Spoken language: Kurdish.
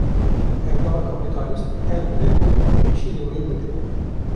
Pergala Kapîtalîst, hewl dide ku pêşî li vê bigre